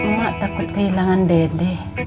mak takut kehilangan dede